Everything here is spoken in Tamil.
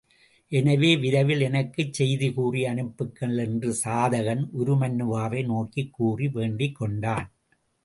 எனவே விரைவில் எனக்குச் செய்தி கூறி அனுப்புங்கள் என்று சாதகன், உருமண்ணுவாவை நோக்கிக் கூறி வேண்டிக் கொண்டான்.